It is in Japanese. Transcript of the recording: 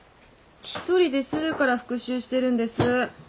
１人でするから復習してるんです。